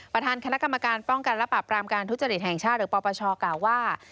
ประธานคณะกรรมการป้องกันและปรับรามการทุจริตแห่งชาติหรือปปชกล่าวว่า